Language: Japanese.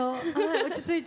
落ち着いて。